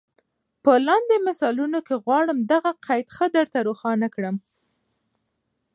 په لاندي مثالونو کي غواړم دغه قید ښه در ته روښان کړم.